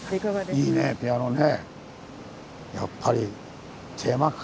いいねピアノね。